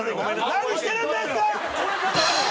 何してるんですか！